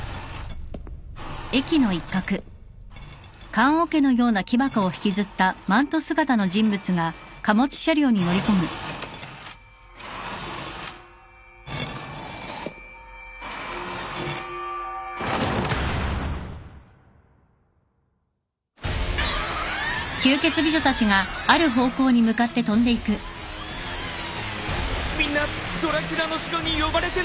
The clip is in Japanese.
みんなドラキュラの城に呼ばれてるのか！？